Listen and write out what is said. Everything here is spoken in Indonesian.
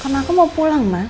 karena aku mau pulang mas